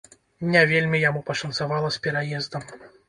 Не вельмі яму пашанцавала з пераездам.